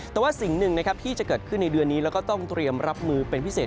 แต่ว่าสิ่งหนึ่งที่จะเกิดขึ้นในเดือนนี้แล้วก็ต้องเตรียมรับมือเป็นพิเศษ